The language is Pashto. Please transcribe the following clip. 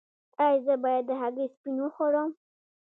ایا زه باید د هګۍ سپین وخورم؟